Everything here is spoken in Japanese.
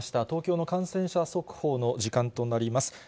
東京の感染者速報の時間となります。